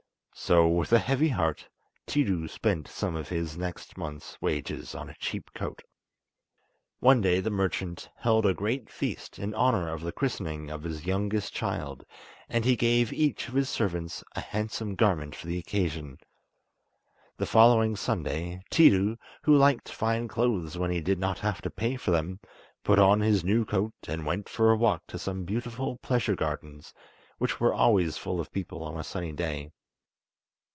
So with a heavy heart Tiidu spent some of his next month's wages on a cheap coat. One day the merchant held a great feast in honour of the christening of his youngest child, and he gave each of his servants a handsome garment for the occasion. The following Sunday, Tiidu, who liked fine clothes when he did not have to pay for them, put on his new coat, and went for a walk to some beautiful pleasure gardens, which were always full of people on a sunny day.